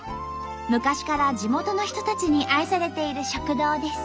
昔から地元の人たちに愛されている食堂です。